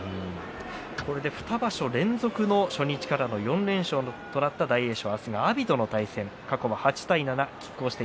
これで２場所連続の初日からの４連勝となった大栄翔。